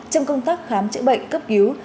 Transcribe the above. trong công tác khám chữa bệnh cấp cứu